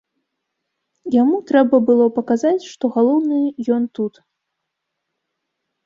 Яму трэба было паказаць, што галоўны ён тут.